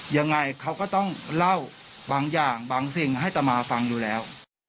ยังไงเขาก็ต้องเล่าบางอย่างบางสิ่งให้ตามาฟังอยู่แล้ว